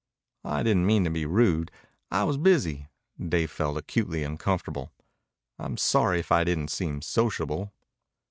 '" "I didn't mean to be rude. I was busy." Dave felt acutely uncomfortable. "I'm sorry if I didn't seem sociable."